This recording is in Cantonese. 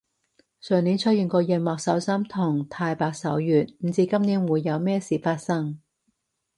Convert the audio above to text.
上年出現過熒惑守心同太白守月，唔知今年會有咩事發生